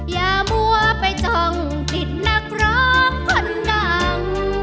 อย่ามัวไปจ้องผิดนักร้องคนดัง